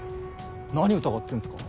何疑ってんすか？